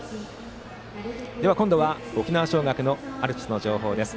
今度は沖縄尚学のアルプスの情報です。